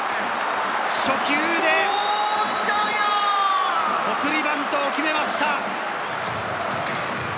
初球で送りバントを決めました。